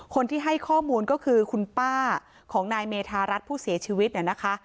คนที่ให้ข้อมูลก็คือคุณป้าของนายเมธารัฐผู้เสียชีวิตเนี่ยนะคะ